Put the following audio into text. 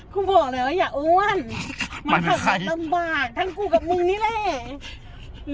กูบอกเลยว่าอย่าอ้วนมาขับขายลำบากทั้งกูกับมึงนี่แหละ